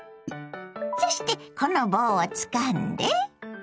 そしてこの棒をつかんで。